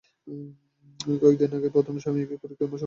কয়েক দিন আগে প্রথম সাময়িকী পরীক্ষার সময়ও যন্ত্র চালু রাখা হয়।